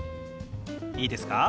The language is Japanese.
いいですか？